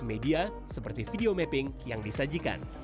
media seperti video mapping yang disajikan